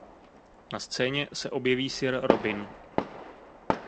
Na scéně se objeví sir Robin.